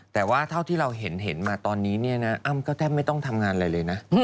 แต่ว่าเท่าที่เราเห็นมาตอนนี้เนี่ยนะอ้ำก็แทบไม่ต้องทำงานอะไรเลยนะ